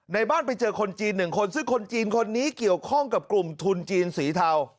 ในบ้านไปเจอคนจีน๑คนซึ่งคนจีนคนนี้เกี่ยวข้องกับกลุ่มทุนจีนสีเทา